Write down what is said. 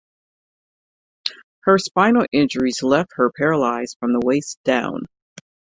Her spinal injuries left her paralysed from the waist down.